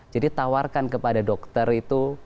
tawarkan kepada dokter itu